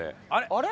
あれ？